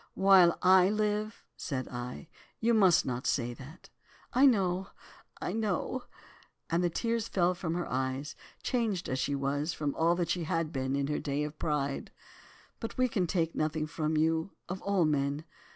"'While I live,' said I, 'you must not say that.' "'I know—I know,' and the tears fell from her eyes, changed as she was, from all that she had been in her day of pride. 'But we can take nothing from you, of all men.